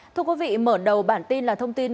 thưa quý vị mở đầu bản tin là thông tin